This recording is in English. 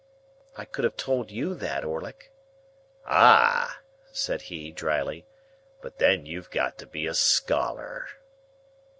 "I could have told you that, Orlick." "Ah!" said he, dryly. "But then you've got to be a scholar."